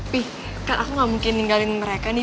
fi kan aku gak mungkin ninggalin mereka nih